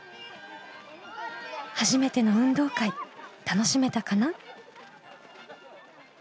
初めての運動会楽しめたかな？